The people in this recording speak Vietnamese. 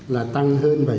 là tăng hơn bảy